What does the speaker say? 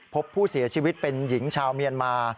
พบผู้เสียชีวิตเป็นหญิงชาวเมียนมา